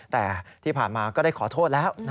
แต่ที่ผ่านมาก็ได้ขอโทษแล้ว